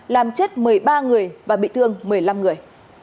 làm chết một mươi ba người và bị thương một mươi năm người